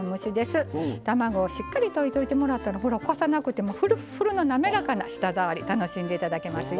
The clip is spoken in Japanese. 卵をしっかり溶いといてもらったらほらこさなくてもフルッフルな滑らかな舌触り楽しんで頂けますよ。